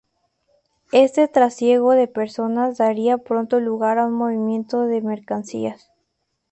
Este trasiego de personas daría pronto lugar a un movimiento de mercancías.